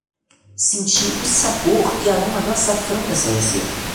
Senti o sabor e aroma do açafrão nesta receita